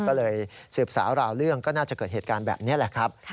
ก็เลยสืบสาวราวเรื่องก็น่าจะเกิดเหตุการณ์แบบนี้แหละครับ